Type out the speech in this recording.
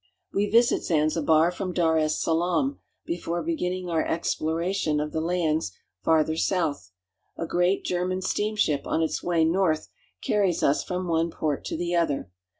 We visit Zanzibar from Dar es Salaam, before begin ning our explor&tion of the lands farther south. A great German steamship on its way north carries us from one port to the other.